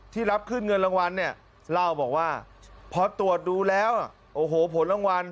รับขึ้นเงินรางวัลเนี่ยเล่าบอกว่าพอตรวจดูแล้วโอ้โหผลรางวัล